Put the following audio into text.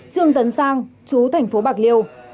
trương tấn sang chú thành phố bạc liêu